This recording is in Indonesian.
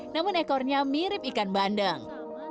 namun ekornya mirip ikan bandeng